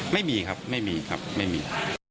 ไม่มีครับไม่มีครับไม่มี